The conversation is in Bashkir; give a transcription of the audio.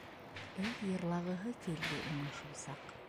Эй йырлағыһы килде уның шул саҡ!